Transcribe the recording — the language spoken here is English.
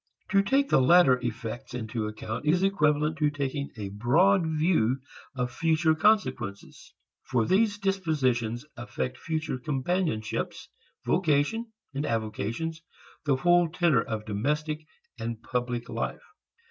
To take the latter effects into account is equivalent to taking a broad view of future consequences; for these dispositions affect future companionships, vocation and avocations, the whole tenor of domestic and public life.